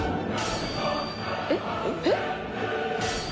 「えっ？えっ？」